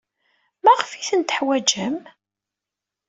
Maɣef ay tent-teḥwajem?